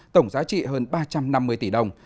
tổng giá trị hơn ba trăm năm mươi tỷ đồng